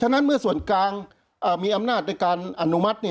นั้นเมื่อส่วนกลางมีอำนาจในการอนุมัติ